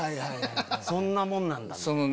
そんなもんなんだって。